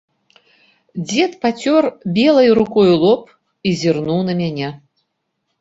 Дзед пацёр белай рукою лоб і зірнуў на мяне.